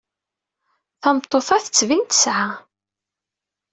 Tameṭṭut-a tettbin tesɛa.